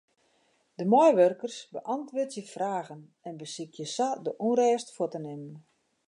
De meiwurkers beäntwurdzje fragen en besykje sa de ûnrêst fuort te nimmen.